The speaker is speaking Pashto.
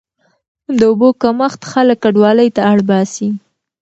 د اوبو کمښت خلک کډوالۍ ته اړ باسي.